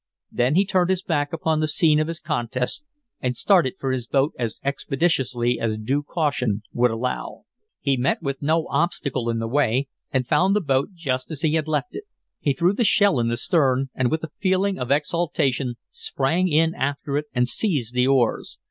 Then he turned his back upon the scene of his contest, and started for his boat as expeditiously as due caution would allow. He met with no obstacle in the way, and found the boat just as he had left it. He threw the shell in the stern, and with a feeling of exultation sprang in after it and seized the oars.